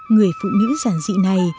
người phụ nữ giản dị này